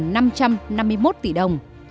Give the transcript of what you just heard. đó là gần năm trăm năm mươi một tỷ đồng